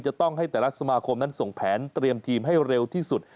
จะต้องให้แต่ละสมาคมนั้นส่งแผนเตรียมทีมให้เร็วที่สุด